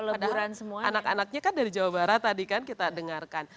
anak anaknya kan dari jawa barat tadi kan kita dengarkan